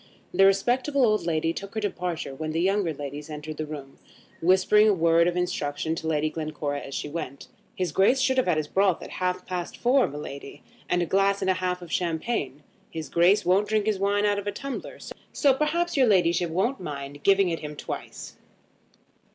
The respectable old lady took her departure when the younger ladies entered the room, whispering a word of instruction to Lady Glencora as she went. "His Grace should have his broth at half past four, my lady, and a glass and a half of champagne. His Grace won't drink his wine out of a tumbler, so perhaps your ladyship won't mind giving it him at twice."